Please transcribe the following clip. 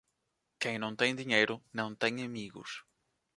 Quem não tem dinheiro não tem amigos.